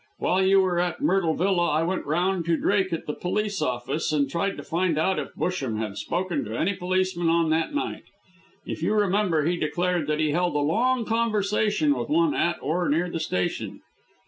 While you were at Myrtle Villa I went round to Drake at the Police Office and tried to find out if Busham had spoken to any policeman on that night. If you remember he declared that he held a long conversation with one at, or near, the station.